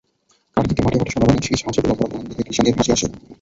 কার্তিকে মাঠে মাঠে সোনা রঙে শিষ হাসেগোলাভরা ধান দেখে কৃষাণির হাসি আসে।